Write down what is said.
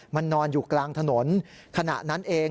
มันนอนอยู่กลางถนนขณะนั้นเอง